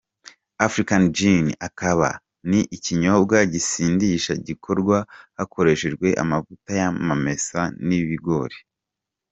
African Gin akaba ni ikinyobwa gisindisha gikorwa hakoreshejwe amavuta y’amamesa n’ibigori.